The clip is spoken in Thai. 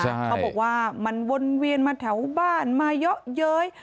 เขาบอกว่ามันวนเวียนมาแถวบ้านมาเยอะเย้ย